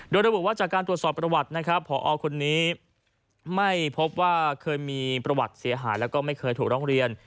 โดยระบุว่าจากการตรวจสอบประวัตินะครับพอคนนี้ไม่พบว่าเคยมีประวัติเสียหายแล้วก็ไม่เคยถูกร้องเรียน